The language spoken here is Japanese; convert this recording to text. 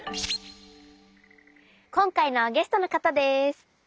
今回のゲストの方です。